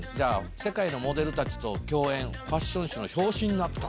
世界のモデルたちと共演、ファッション誌の表紙になった。